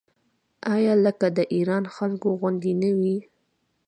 آیا لکه د ایران خلکو غوندې نه وي؟